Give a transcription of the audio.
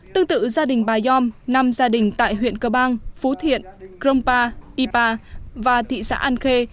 tương tự gia đình bà yom năm gia đình tại huyện cơ bang phú thiện grongpa ypa và thị xã an khê